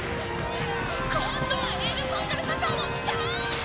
今度はエルコンドルパサーも来た！